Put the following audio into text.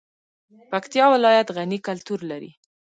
پکتیا ولایت غني کلتور لري